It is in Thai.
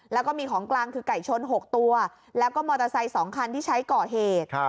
แล้วก็มีของกลางคือไก่ชน๖ตัวแล้วก็มอเตอร์ไซค์๒คันที่ใช้ก่อเหตุ